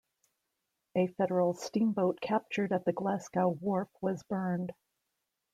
A Federal steamboat captured at the Glasgow wharf was burned.